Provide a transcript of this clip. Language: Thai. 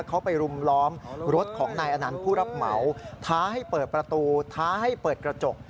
เขาไปรุมล้อมรถของนายอนันต์ผู้รับเหมาท้าให้เปิดประตูท้าให้เปิดกระจก